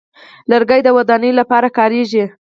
لرګی د ودانیو لپاره کارېږي.